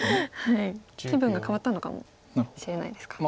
気分が変わったのかもしれないですか。